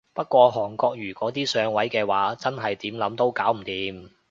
不過韓國瑜嗰啲上位嘅話真係點諗都搞唔掂